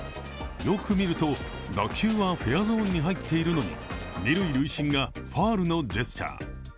よく見ると、打球はフェアゾーンに入っているのに二塁塁審がファウルのジェスチャー。